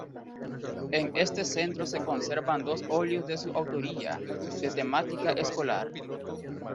En este centro se conservan dos óleos de su autoría, de temática escolar.